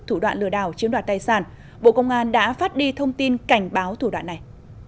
thủ đoạn lừa đảo chiếm đoạt tài sản bộ công an đã phát đi thông tin cảnh báo thủ đoạn này